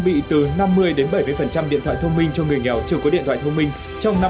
bị từ năm mươi đến bảy mươi phần trăm điện thoại thông minh cho người nghèo chưa có điện thoại thông minh trong năm